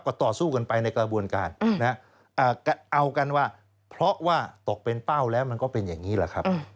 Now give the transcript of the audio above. ก็ตกเป็นเป้าแล้วมันก็เป็นอย่างนี้แหละครับ